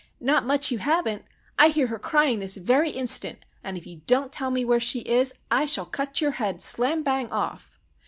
not much you haven't! I hear her crying this very instant, an' if you don't tell me where she is, I shall cut your head slam bang off!